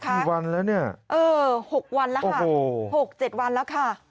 กี่วันแล้วเนี่ยเออ๖วันแล้วค่ะ๖๗วันแล้วค่ะ